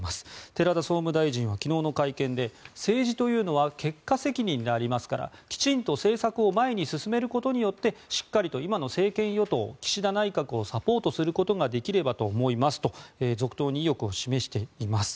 寺田総務大臣は昨日の会見で政治というのは結果責任でありますからきちんと政策を前に進めることによってしっかりと今の政権与党岸田内閣をサポートすることができればと思いますと続投に意欲を示しています。